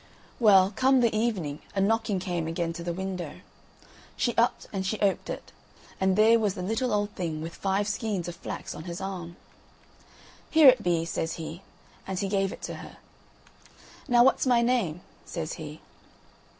Well, come the evening a knocking came again to the window. She upped and she oped it, and there was the little old thing with five skeins of flax on his arm. "Here it be," says he, and he gave it to her. "Now, what's my name?" says he.